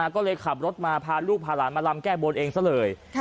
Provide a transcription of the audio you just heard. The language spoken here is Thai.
ก็เลยขับรถมาพาลูกพาหลานมาลำแก้บนเองซะเลย